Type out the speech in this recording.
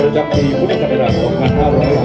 จากปีพคขข๕๐๐น